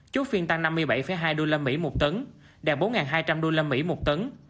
chốt phiên tăng năm mươi bảy hai usd một tấn đạt bốn hai trăm linh usd một tấn